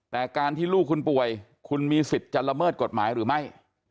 แต่การที่ลูกคุณป่วยคุณมีสิทธิ์จะละเมิดกฎหมายหรือไม่